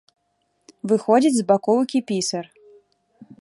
Выходзіць з бакоўкі пісар.